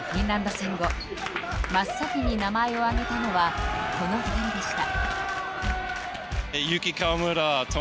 戦後真っ先に名前を挙げたのはこの２人でした。